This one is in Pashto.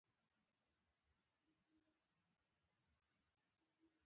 د نوح عليه السلام کښتۍ د نړۍ لومړنۍ کښتۍ وه.